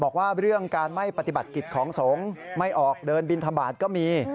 บอกว่าเรื่องการไม่ปฏิบัติกิจของสงฆ์ไม่ออกเดินบินทบาทก็มี